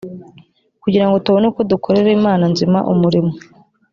kugira ngo tubone uko dukorera imana nzima umurimo